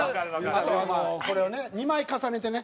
あとはこれを２枚重ねてね